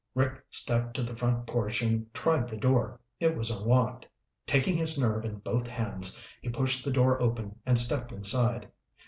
Rick stepped to the front porch and tried the door. It was unlocked. Taking his nerve in both hands, he pushed the door open and stepped inside.